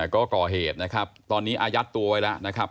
ก็ก่อเหตุนะครับตอนนี้อายัดตัวไว้แล้วนะครับ